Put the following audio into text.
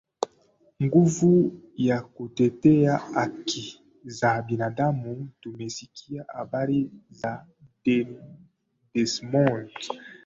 nguvu ya kutetea haki za binadamu Tumesikia habari za Desmond